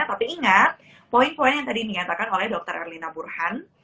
tapi ingat poin poin yang tadi dinyatakan oleh dr erlina burhan